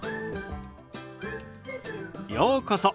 ようこそ。